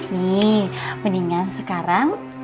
nih mendingan sekarang